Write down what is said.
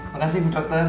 makasih bu dokter